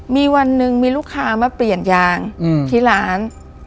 มีวันหนึ่งมีลูกค้ามาเปลี่ยนยางที่ร้าน